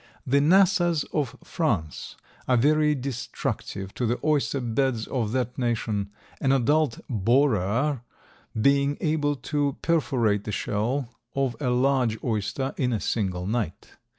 The Nassas of France are very destructive to the oyster beds of that nation, an adult "borer" being able to perforate the shell of a large oyster in a single night.